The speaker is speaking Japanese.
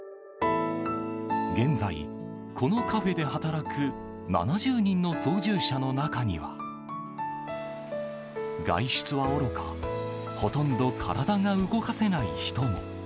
現在、このカフェで働く７０人の操縦者の中には外出はおろかほとんど体が動かせない人も。